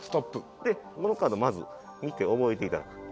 このカードまず見て覚えていただく。